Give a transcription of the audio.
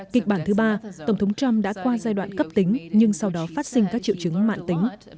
kịch bản thứ ba tổng thống trump đã qua giai đoạn cấp tính nhưng sau đó phát sinh các triệu chứng mạng tính